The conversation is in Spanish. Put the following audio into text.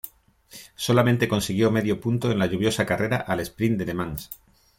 Solamente consiguió medio punto en la lluviosa carrera al sprint de Le Mans.